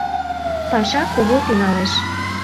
— Паша кугу тӱҥалеш.